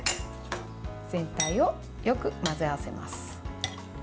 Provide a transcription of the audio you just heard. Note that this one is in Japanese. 全体をよく混ぜ合わせます。